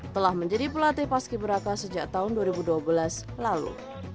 telah menjadi pelatih paski beraka sejak tahun dua ribu dua belas lalu